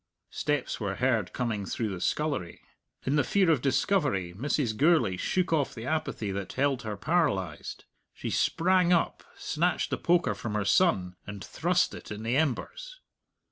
Steps were heard coming through the scullery. In the fear of discovery Mrs. Gourlay shook off the apathy that held her paralyzed. She sprang up, snatched the poker from her son, and thrust it in the embers.